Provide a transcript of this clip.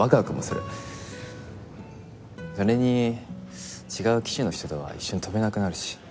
それに違う機種の人とは一緒に飛べなくなるし。